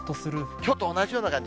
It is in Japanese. きょうと同じような感じ。